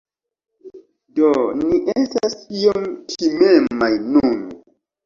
Do, ni estas iom timemaj nun